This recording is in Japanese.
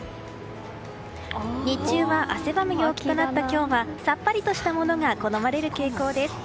日中は汗ばむ陽気となった今日はさっぱりとしたものが好まれる傾向です。